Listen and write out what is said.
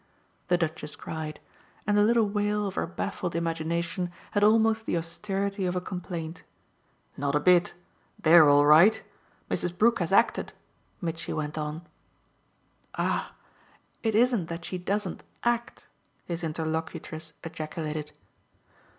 the Duchess cried; and the little wail of her baffled imagination had almost the austerity of a complaint. "Not a bit they're all right. Mrs. Brook has acted!" Mitchy went on. "Ah it isn't that she doesn't 'act'!" his interlocutress ejaculated.